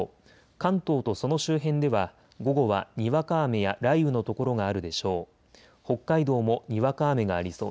関東とその周辺では午後はにわか雨や雷雨の所があるでしょう。